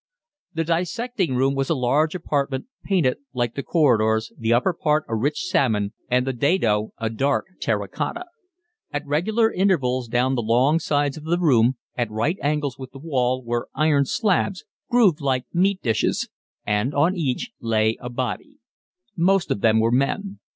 The dissecting room was a large apartment painted like the corridors, the upper part a rich salmon and the dado a dark terra cotta. At regular intervals down the long sides of the room, at right angles with the wall, were iron slabs, grooved like meat dishes; and on each lay a body. Most of them were men.